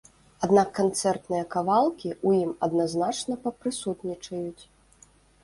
Аднак канцэртныя кавалкі ў ім адназначна папрысутнічаюць.